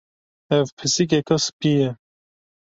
Ev pisîkeka spî ye.